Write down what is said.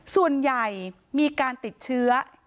ส่วนใหญ่มีการติดเชื้อ